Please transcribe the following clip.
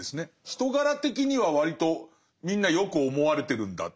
人柄的には割とみんなよく思われてるんだ。